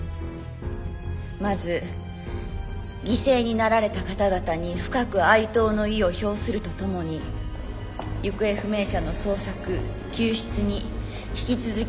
まず犠牲になられた方々に深く哀悼の意を表するとともに行方不明者の捜索救出に引き続き全力を尽くしてまいります。